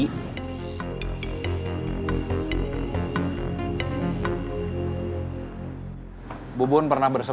ketika bang edi sudah berusaha